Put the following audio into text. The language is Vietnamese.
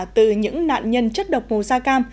từ những nạn nhân chất độc màu da cam